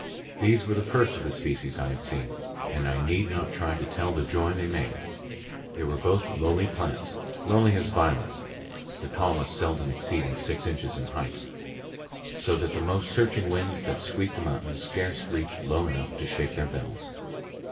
These were the first of the species I had seen, and I need not try to tell the joy they made. They are both lowly plants,—lowly as violets,—the tallest seldom exceeding six inches in height, so that the most searching winds that sweep the mountains scarce reach low enough to shake their bells.